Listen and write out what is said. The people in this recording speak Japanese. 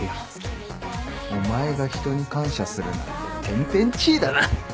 お前が人に感謝するなんて天変地異だな。